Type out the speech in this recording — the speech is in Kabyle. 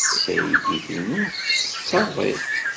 Taydit-inu tettett aḍil.